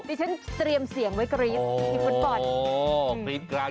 ดิฉันเตรียมเสียงไว้กระยิบทีมฟุตบอล